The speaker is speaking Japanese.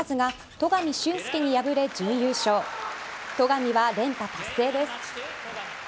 戸上は連覇達成です。